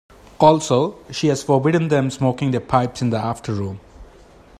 Also, she has forbidden them smoking their pipes in the after-room.